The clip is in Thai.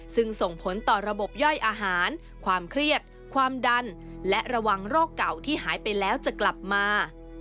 ซึ่งส่งผลต่อระบบย่อยอาหารความเครียดความดันและระวังโรคเก่าที่หายไปแล้วจะกลับมา